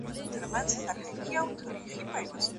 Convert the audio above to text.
شمعي ته به نه وایې چي مه سوځه